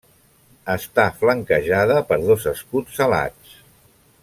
Està flanquejada per dos escuts alats.